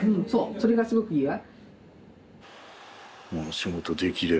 それがすごくいいわ。